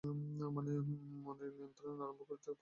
মনের নিয়ন্ত্রণ আরম্ভ করিতে হয় প্রাণায়াম হইতে।